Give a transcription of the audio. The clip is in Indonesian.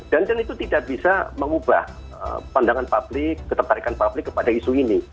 dan itu tidak bisa mengubah pandangan publik ketertarikan publik kepada isu ini